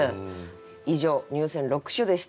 以上入選六首でした。